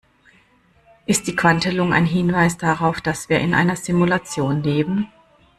Ist die Quantelung ein Hinweis darauf, dass wir in einer Simulation leben?